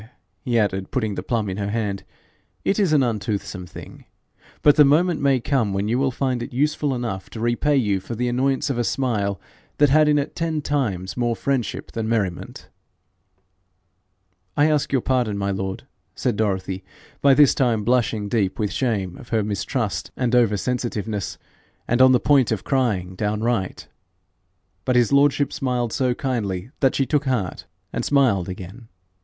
he added, putting the plum in her hand, 'it is an untoothsome thing, but the moment may come when you will find it useful enough to repay you for the annoyance of a smile that had in it ten times more friendship than merriment.' 'I ask your pardon, my lord,' said Dorothy, by this time blushing deep with shame of her mistrust and over sensitiveness, and on the point of crying downright. But his lordship smiled so kindly that she took heart and smiled again.